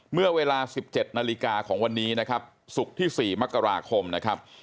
เมื่อเวลา๑๗นาฬิกาของวันนี้นะครับศุกร์ที่๔มกราคมนะครับ